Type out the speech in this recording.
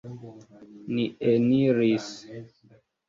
Ni eniris.